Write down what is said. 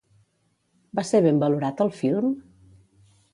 Va ser ben valorat el film?